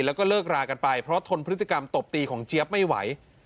แล้วก็เลิกรากันไปเพราะทนพฤติกรรมตบตีของเจี๊ยบไม่ไหว